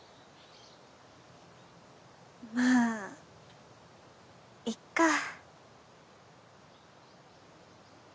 まあいっかぁ。